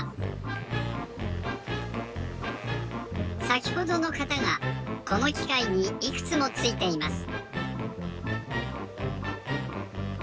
さきほどの型がこのきかいにいくつもついています。